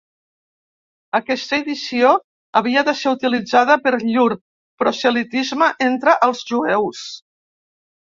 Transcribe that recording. Aquesta edició havia de ser utilitzada per llur proselitisme entre els jueus.